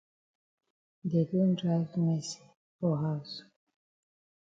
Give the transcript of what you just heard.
Dey don drive Mercy for haus.